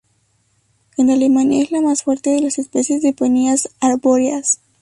En Alemania es la más fuerte de las especies de peonías arbóreas.